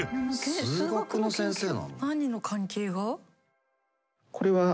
数学の先生なの？